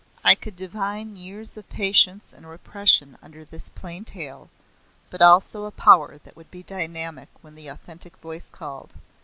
I could divine years of patience and repression under this plain tale, but also a power that would be dynamic when the authentic voice called.